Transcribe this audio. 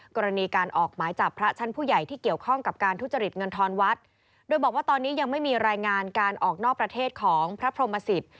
กรณีการออกหมายจับพระชั้นผู้ใหญ่ที่เกี่ยวข้องกับการทุจริตเงินทอนวัดโดยบอกว่าตอนนี้ยังไม่มีรายงานการออกนอกประเทศของพระพรหมสิต